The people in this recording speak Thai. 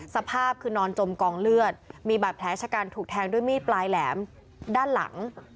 สภาพคือนอนจมกองเลือดมีบาดแผลชะกันถูกแทงด้วยมีดปลายแหลมด้านหลัง